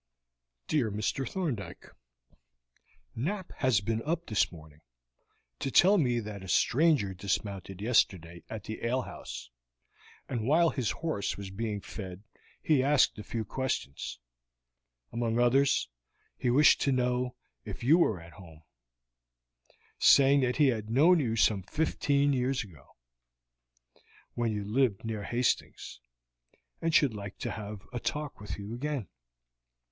"DEAR MR. THORNDYKE: "Knapp has been up this morning to tell me that a stranger dismounted yesterday at the alehouse, and while his horse was being fed he asked a few questions. Among others, he wished to be told if you were at home, saying that he had known you some fifteen years ago, when you lived near Hastings, and should like to have a talk with you again.